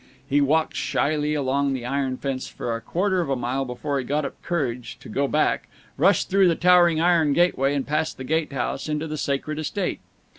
He walked shyly along the iron fence for a quarter of a mile before he got up courage to go back, rush through the towering iron gateway and past the gate house, into the sacred estate.